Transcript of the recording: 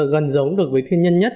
gần giống được với thiên nhiên nhất